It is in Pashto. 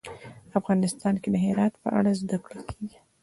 افغانستان کې د هرات په اړه زده کړه کېږي.